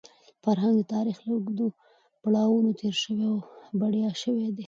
فرهنګ د تاریخ له اوږدو پړاوونو تېر شوی او بډایه شوی دی.